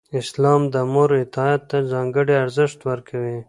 اسلام د مور اطاعت ته ځانګړی ارزښت ورکوي.